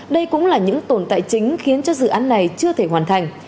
đây cũng là những tồn tại chính khiến cho dự án này chưa thể hoàn thành